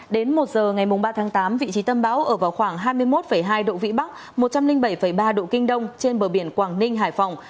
đến một giờ ngày ba tháng tám vị trí tâm bão ở vào khoảng hai mươi một hai độ vĩ bắc một trăm linh bảy ba độ kinh đông trên bờ biển quảng ninh hải phòng